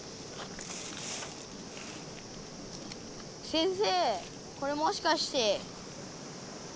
先生これもしかして？